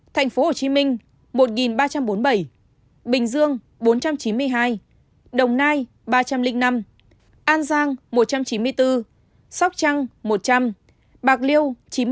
thành phố hồ chí minh một ba trăm bốn mươi bảy bình dương bốn trăm chín mươi hai đồng nai ba trăm linh năm an giang một trăm chín mươi bốn sóc trăng một trăm linh bạc liêu chín mươi chín